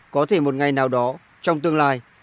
có thể một ngày nào đó trong tương lai